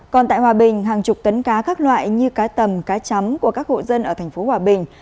còn tại hòa bình hàng chục tấn cá khác loại như cá tầm cá chấm của các hộ dân ở tp hòa bình